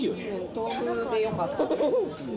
豆腐でよかった。